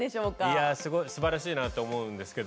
いやぁすばらしいなと思うんですけど。